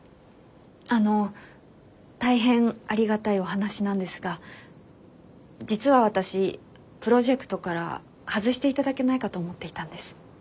あの大変ありがたいお話なんですが実は私プロジェクトから外していただけないかと思っていたんです。